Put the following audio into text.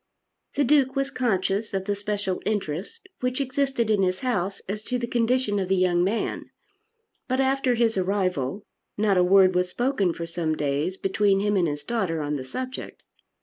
The Duke was conscious of the special interest which existed in his house as to the condition of the young man, but, after his arrival, not a word was spoken for some days between him and his daughter on the subject.